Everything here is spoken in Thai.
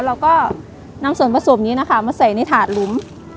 เราก็นำส่วนผสมนี้นะคะมาใส่ในถาดหลุม